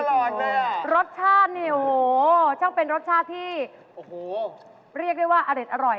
เฮ่ยรสชาตินี่โอ้โฮช่างเป็นรสชาติที่เรียกได้ว่าอเด็ดอร่อย